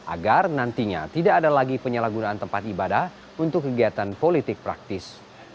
agar nantinya tidak ada lagi penyalahgunaan tempat ibadah untuk kegiatan politik praktis